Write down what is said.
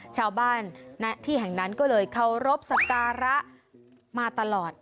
ชาวบ้านณที่แห่งนั้นก็เลยเคารพสการะมาตลอด